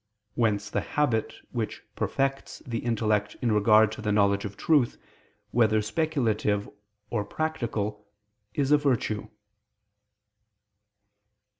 Whence the habit, which perfects the intellect in regard to the knowledge of truth, whether speculative or practical, is a virtue.